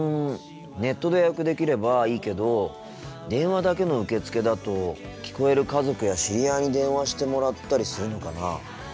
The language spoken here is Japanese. ネットで予約できればいいけど電話だけの受け付けだと聞こえる家族や知り合いに電話してもらったりするのかな？